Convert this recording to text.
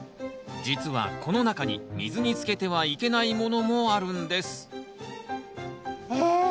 実はこの中に水につけてはいけないものもあるんですえ。